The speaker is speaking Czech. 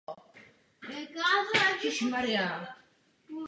Stal se členem výboru pro životní prostředí a kontrolního výboru.